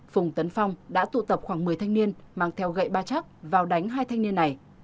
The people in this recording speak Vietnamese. phùng tấn phong đã tụ tập khoảng một mươi thanh niên mang theo gậy ba chắc vào đánh hai thanh niên này